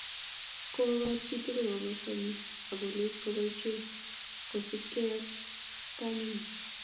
Kokoch chitugul komostanyi akolech koboisie kosubkei ak kamukenyi